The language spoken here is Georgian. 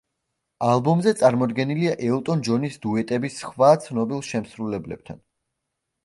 ალბომზე წარმოდგენილია ელტონ ჯონის დუეტები სხვა ცნობილ შემსრულებლებთან.